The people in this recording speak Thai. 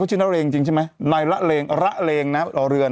เขาชื่อนายแร็กส์นะว่าโร่เรือน